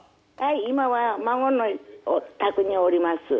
今は孫の宅におります。